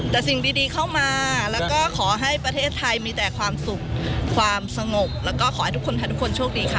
แต่สิ่งดีเข้ามาแล้วก็ขอให้ประเทศไทยมีแต่ความสุขความสงบแล้วก็ขอให้ทุกคนไทยทุกคนโชคดีค่ะ